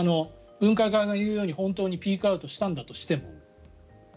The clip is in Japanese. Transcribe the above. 分科会が言うように、本当にピークアウトしたんだとしても。